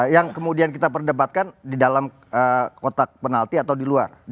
yang kemudian kita perdebatkan di dalam kotak penalti atau di luar